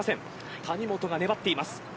谷本がねばっています。